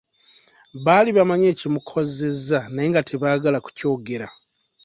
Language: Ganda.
Baali bamanyi ekimukozeza naye nga tebaagala kukyogera.